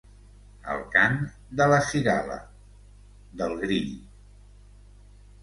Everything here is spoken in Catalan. El cant de la cigala, del grill.